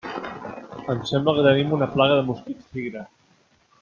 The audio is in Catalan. Em sembla que tenim una plaga de mosquits tigre.